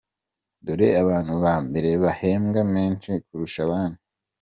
Dore abantu ba mbere bahembwa menshi kurusha abandi.